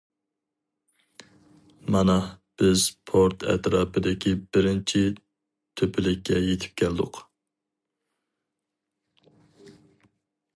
مانا، بىز پورت ئەتراپىدىكى بىرىنچى تۆپىلىككە يېتىپ كەلدۇق.